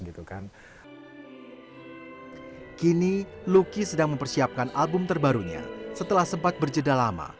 kini luki sedang mempersiapkan album terbarunya setelah sempat berjeda lama